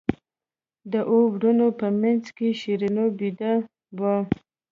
د اوو وروڼو په منځ کې شیرینو بېده وه.